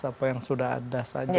apa yang sudah ada saja